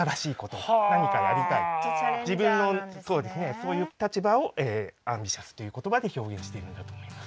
そういう立場を「アンビシャス」という言葉で表現しているんだと思います。